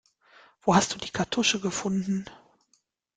Wo hast du die Kartusche gefunden?